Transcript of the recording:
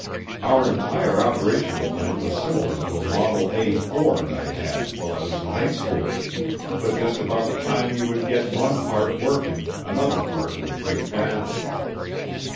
Our entire operational plan was similar to a Model A Ford I had while I was in high school just about the time you would get one part working, another part would break down.